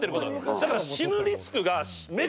だから。